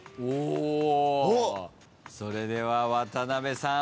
それでは渡辺さん